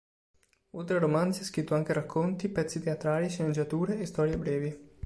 Oltre a romanzi ha scritto anche racconti, pezzi teatrali, sceneggiature e storie brevi.